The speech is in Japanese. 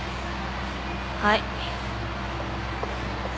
はい。